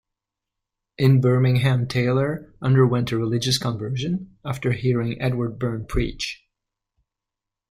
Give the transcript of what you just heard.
In Birmingham Taylor underwent a religious conversion, after hearing Edward Burn preach.